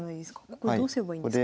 ここどうすればいいんですか？